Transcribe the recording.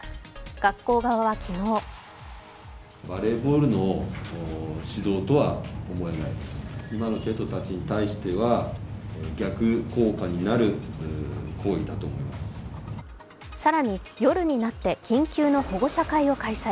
学校側は昨日更に夜になって緊急の保護者会を開催。